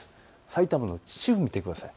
埼玉の秩父を見てください。